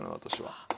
私は。